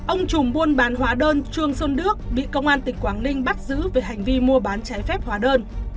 ông chùm buôn bán hóa đơn chuông xuân đức bị công an tỉnh quảng ninh bắt giữ về hành vi mua bán trái phép hóa đơn